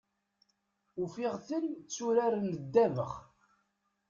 Ufiɣ-ten tturaren ddabax.